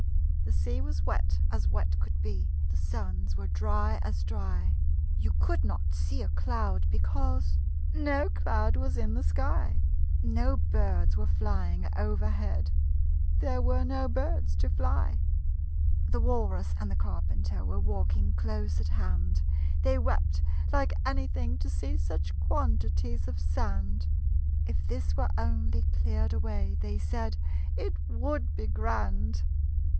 The sea was wet as wet could be, The sands were dry as dry. You could not see a cloud, because No cloud was in the sky: No birds were flying over head There were no birds to fly. The Walrus and the Carpenter Were walking close at hand; They wept like anything to see Such quantities of sand: "If this were only cleared away," They said, "It would be grand!"